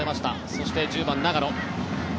そして、１０番の長野。